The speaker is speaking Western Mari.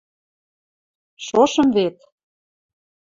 Шошым вет.